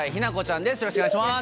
よろしくお願いします。